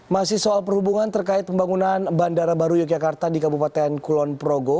masih soal perhubungan terkait pembangunan bandara baru yogyakarta di kabupaten kulon progo